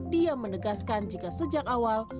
dia menegaskan jika sejak awal